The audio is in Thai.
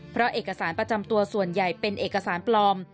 เพราะเอกสารประจำตัวส่วนใหญ่เป็นเอกสารปลอม